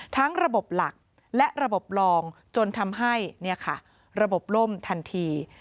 ระบบหลักและระบบลองจนทำให้ระบบล่มทันที